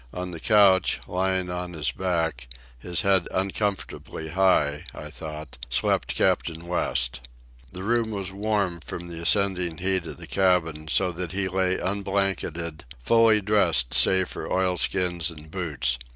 On the couch, lying on his back, his head uncomfortably high, I thought, slept Captain West. The room was warm from the ascending heat of the cabin, so that he lay unblanketed, fully dressed save for oilskins and boots.